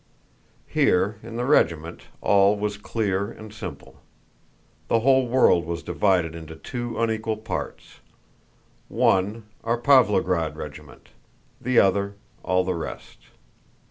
Here, in the regiment, all was clear and simple. The whole world was divided into two unequal parts: one, our Pávlograd regiment; the other, all the rest.